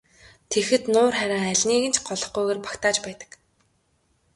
Тэгэхэд нуур харин алиныг нь ч голохгүйгээр багтааж байдаг.